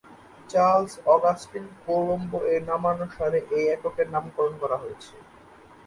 Charles Augustin Coulomb এর নামানুসারে এই এককের নামকরণ করা হয়েছে।